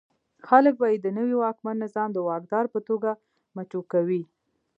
خلک به یې د نوي واکمن نظام د واکدار په توګه مچو کوي.